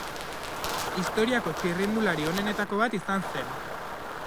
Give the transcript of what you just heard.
Historiako txirrindulari onenetako bat izan zen.